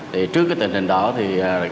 trước cái tình hình đó thì